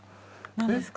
何ですか？